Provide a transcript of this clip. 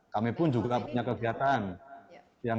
kami pun juga punya kegiatan yang